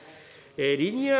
リニア